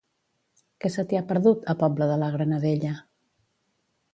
Què se t'hi ha perdut, a Pobla de la Granadella?